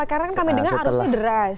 sekarang kami dengar arusnya deras